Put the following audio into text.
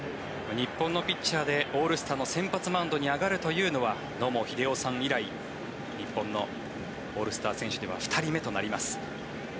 日本のピッチャーでオールスターの先発マウンドに上がるというのは野茂英雄さん以来日本のオールスター選手では２人目となります。